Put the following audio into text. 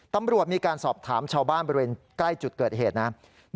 ตำรวจมีการสอบถามชาวบ้านบริเวณใกล้จุดเกิดเหตุนะครับ